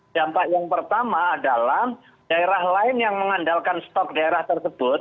dampak yang pertama adalah daerah lain yang mengandalkan stok daerah tersebut